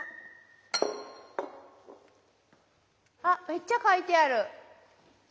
あっめっちゃ書いてある。